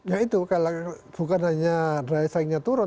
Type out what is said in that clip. ya itu bukan hanya daya saingnya turun